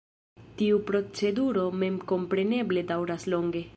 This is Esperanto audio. Tiu proceduro memkompreneble daŭras longe.